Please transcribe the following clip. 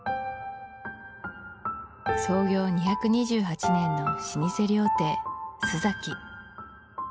創業２２８年の老舗料亭洲さき